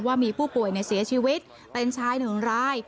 ว่ามีผู้ป่วยเสียชีวิตเป็นชายหนึ่งราย